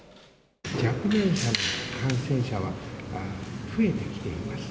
若年層の感染者は増えてきています。